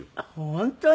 本当に。